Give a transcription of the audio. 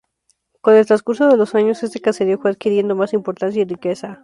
Con el transcurso de los años este caserío fue adquiriendo más importancia y riqueza.